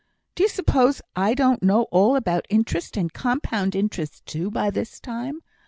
"D'ye suppose I don't know all about interest, and compound interest too, by this time?